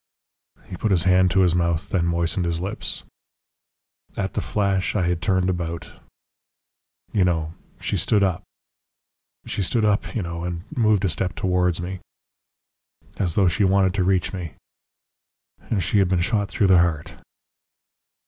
He put his hand to his mouth, and then moistened his lips. "At the flash I had turned about.... "You know she stood up "She stood up; you know, and moved a step towards me "As though she wanted to reach me "And she had been shot through the heart."